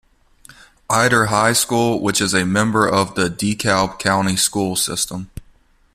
Ider High School, which is a member of the DeKalb County School System.